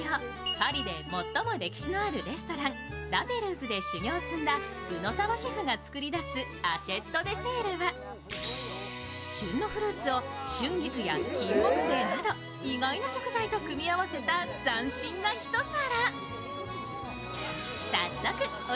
パリで最も歴史のあるレストランラペルーズで修業を積んだ宇野澤シェフが作り出すアシェットデセールは旬のフルーツを春菊やキンモクセイなど意外な食材と組み合わせた斬新な一皿。